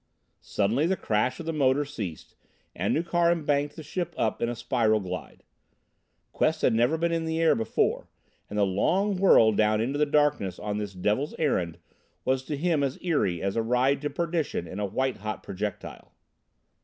Suddenly the crash of the motor ceased and Nukharin banked the ship up in a spiral glide. Quest had never been in the air before, and the long whirl down into the darkness on this devil's errand was to him as eery as a ride to perdition in a white hot projectile.